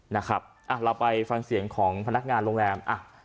เราไปฟังเสียงของพนักงานโรงแรม